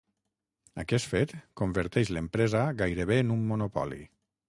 Aquest fet converteix l'empresa gairebé en un monopoli.